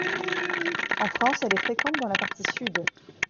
En France elle est fréquente dans la partie sud.